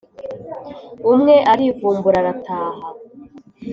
umwe arivumbura arataha